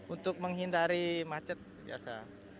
untuk menghindari macet biasa